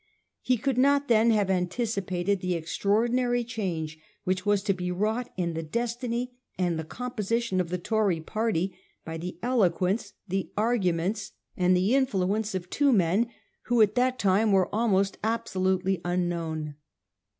He could not then have anticipated the extraordinary change which was to be wrought in the destiny and the composition of the Tory party by the eloquence, the arguments, and .the VOL. i. c c 386 A HISTORY OF OUR OWN TIMES. CH.XTT. influence of two men who at that time were almost absolutely unknown.